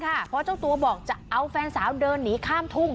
เพราะเจ้าตัวบอกจะเอาแฟนสาวเดินหนีข้ามทุ่ง